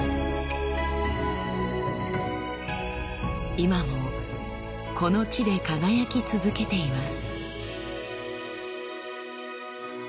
今もこの地で輝き続けています。